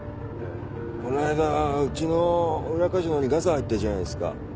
この間うちの裏カジノにガサ入ったじゃないっすか。